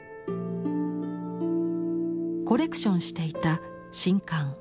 コレクションしていた「宸翰」。